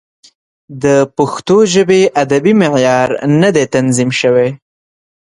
د پښتو ژبې ادبي معیار نه دی تنظیم شوی.